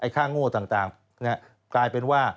ค่าโง่ต่างกลายเป็นว่า